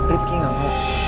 rifki gak mau